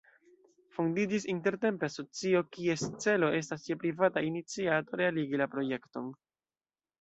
Fondiĝis intertempe asocio, kies celo estas je privata iniciato realigi la projekton.